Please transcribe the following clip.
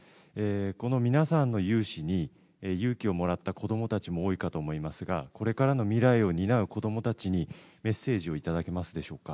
この皆さんの雄姿に勇気をもらった子供たちも多いかと思いますがこれからの未来を担う子供たちにメッセージをいただけますでしょうか。